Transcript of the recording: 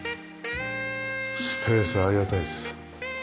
スペースありがたいです。